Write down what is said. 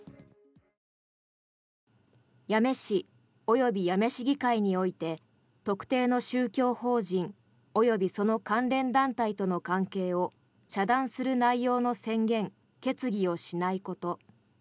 八女市及び八女市議会において特定の宗教法人及びその関連団体との関係を遮断する内容の宣言・決議をしないこと。